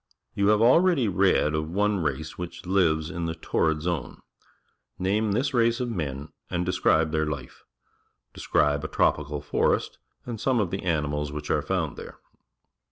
You have already read of one race which lives in the Torrid Zone. Name this race of men and describe their life. Describe a tropical forest and some of the animals which are found tliere.